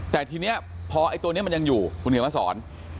แต่ทีนี้พอไอ้ตัวนี้มันยังอยู่คุณเขียนมาสอน